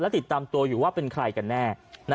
ติดตามตัวอยู่ว่าเป็นใครกันแน่